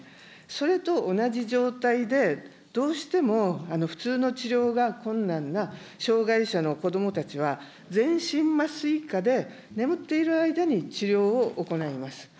それと同じ状態で、どうしても普通の治療が困難な障害者の子どもたちは、全身麻酔下で、眠っている間に治療を行います。